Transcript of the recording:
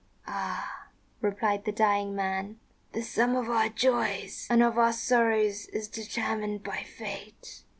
"Ah," replied the dying man, "the sum of our joys and of our sorrows is determined by fate.